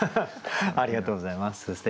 ありがとうございます。